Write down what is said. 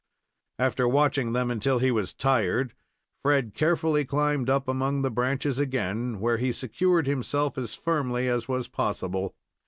After watching them until he was tired, Fred carefully climbed up among the branches again, where he secured himself as firmly as was possible.